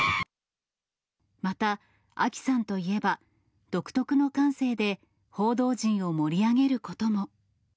また、あきさんといえば、独特な感性で報道陣を盛り上げることも。